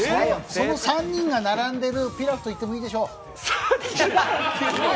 その３人が並んでるピラフといってもいいでしょう。